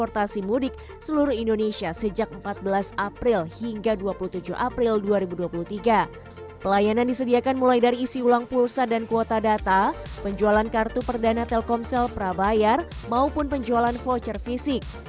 telkomsel prabayar maupun penjualan voucher fisik